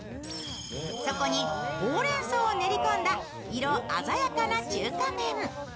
そこに、ほうれんそうを練り込んだ色鮮やかな中華麺。